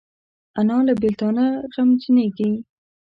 انا له بیلتانه غمجنېږي